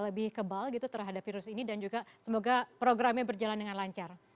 lebih kebal gitu terhadap virus ini dan juga semoga programnya berjalan dengan lancar